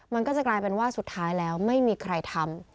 มันก็จะกลายเป็นว่าสุดท้ายแล้วไม่มีใครทำ